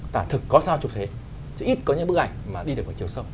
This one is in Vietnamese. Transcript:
tả thực có sao chụp thế ít có những bức ảnh mà đi được vào chiều sâu